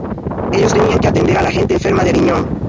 Ellos tenían que atender a la gente enferma de Aviñón.